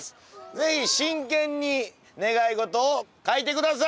ぜひ真剣に願い事を書いてください！